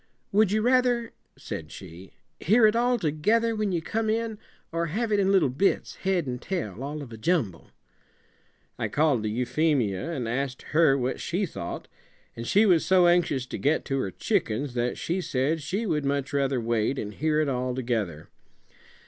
"Would you rather," said she, "hear it altogether, when you come in, or have it in little bits, head and tail, all of a jumble?" I called to Euphemia and asked her what she thought, and she was so anxious to get to her chickens that she said she would much rather wait and hear it all together.